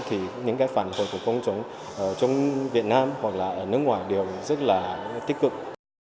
thì những cái phản hồi của công chúng trong việt nam hoặc là ở nước ngoài đều rất là tích cực